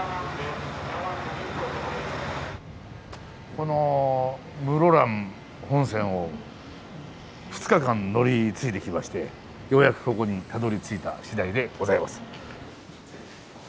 この室蘭本線を２日間乗り継いできましてようやくここにたどり着いたしだいでございます。